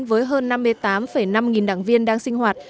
với hơn năm mươi tám năm nghìn đảng viên đang sinh hoạt